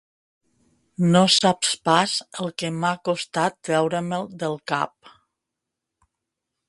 No saps pas el que m'ha costat treure-me'l del cap.